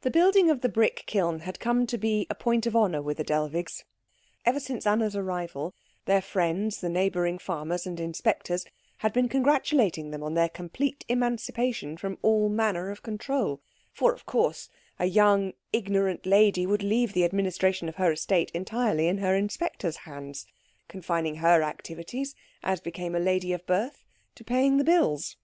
The building of the brick kiln had come to be a point of honour with the Dellwigs. Ever since Anna's arrival, their friends the neighbouring farmers and inspectors had been congratulating them on their complete emancipation from all manner of control; for of course a young ignorant lady would leave the administration of her estate entirely in her inspector's hands, confining her activities, as became a lady of birth, to paying the bills.